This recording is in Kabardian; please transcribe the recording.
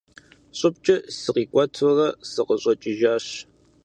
ЩӀыбкӀэ сыкъикӀуэтурэ сыкъыщӀэкӀыжащ.